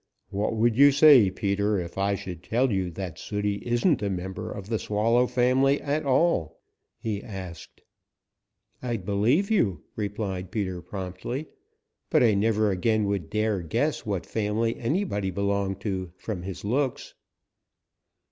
"What would you say, Peter, if I should tell you that Sooty isn't a member of the Swallow family at all?" he asked. "I'd believe you," replied Peter promptly, "but I never again would dare guess what family anybody belonged to from his looks."